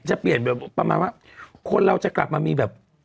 จะเปลี่ยนแบบประมาณว่าคนเราจะกลับมามีแบบ